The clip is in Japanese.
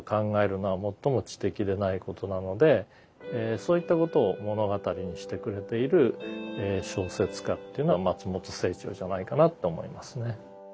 そういったことを物語にしてくれている小説家っていうのは松本清張じゃないかなと思いますね。